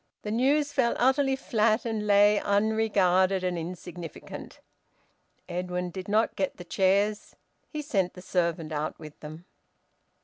The news fell utterly flat and lay unregarded and insignificant. Edwin did not get the chairs. He sent the servant out with them.